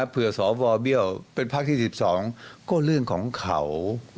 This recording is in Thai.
สวเบี้ยวเป็นพักที่๑๒ก็เรื่องของเขา